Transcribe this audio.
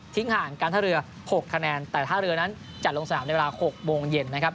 ห่างการท่าเรือ๖คะแนนแต่ท่าเรือนั้นจะลงสนามในเวลา๖โมงเย็นนะครับ